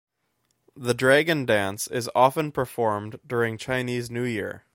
The dragon dance is often performed during Chinese New Year.